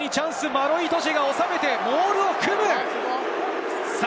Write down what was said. マロ・イトジェがボールを収めて、モールを組む。